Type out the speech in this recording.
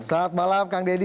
selamat malam kang deddy